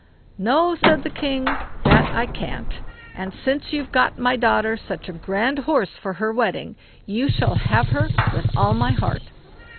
"No", said the king, "that I can't; and since you've got my daughter such a grand horse for her wedding, you shall have her with all my heart.